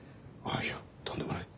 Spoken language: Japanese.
いやとんでもない。